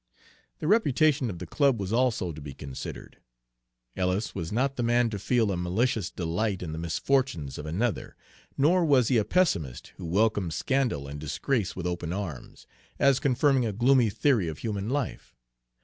The reputation of the club was also to be considered. Ellis was not the man to feel a malicious delight in the misfortunes of another, nor was he a pessimist who welcomed scandal and disgrace with open arms, as confirming a gloomy theory of human life.